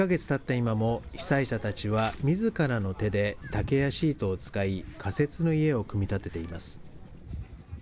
今も、被災者たちはみずからの手で、竹やシートを使い、仮設の家を組み立てています。